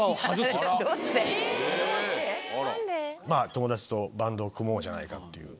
友達とバンドを組もうじゃないかっていう。